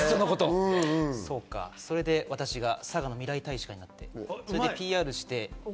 それで私が佐賀の未来大使になってＰＲして。